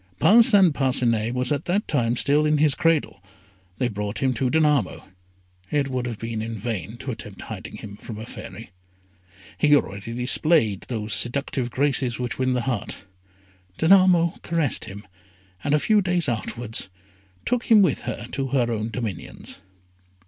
Parcin Parcinet was at that time still in his cradle. They brought him to Danamo. It would have been in vain to attempt hiding him from a Fairy. He already displayed those seductive graces which win the heart. Danamo caressed him, and a few days afterwards took him with her to her own dominions.